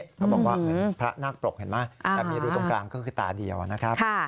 เขาบอกว่าพระนาคปรกเห็นไหมแต่มีรูตรงกลางก็คือตาเดียวนะครับ